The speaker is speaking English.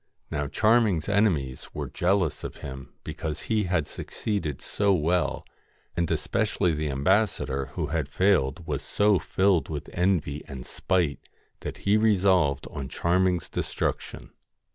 Now Charming's enemies were jealous of him because he had succeeded so well, and especially the ambassador who had failed was so filled with envy and spite that he resolved on Charming's destruction.